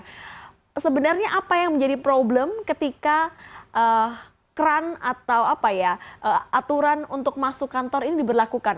nah sebenarnya apa yang menjadi problem ketika kran atau apa ya aturan untuk masuk kantor ini diberlakukan